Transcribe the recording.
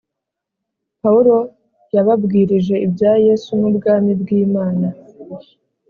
Pawulo yababwirije ibya Yesu n’ubwami bw ‘Imana